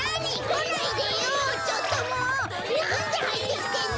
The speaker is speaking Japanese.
なんではいってきてんの！？